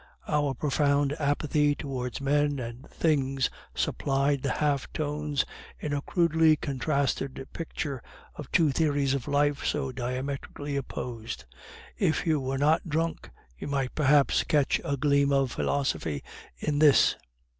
Our profound apathy towards men and things supplied the half tones in a crudely contrasted picture of two theories of life so diametrically opposed. If you were not drunk, you might perhaps catch a gleam of philosophy in this."